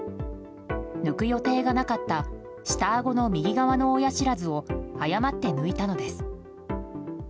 抜く予定がなかった下あごの右側の親知らずを誤って抜いたのです。